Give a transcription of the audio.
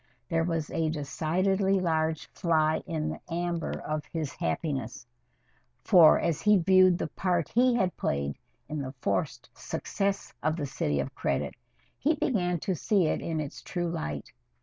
There was a decidedly large fly in the amber of his happiness, for as he viewed the part he had played in the forced success of "The City of Credit" he began to see it in its true light.